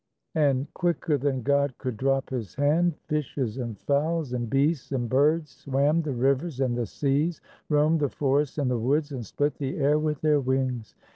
"_ And quicker than God could drop His hand, Fishes and fowls And beasts and birds Swam the rivers and the seas, Roamed the forests and the woods, And split the air with their wings.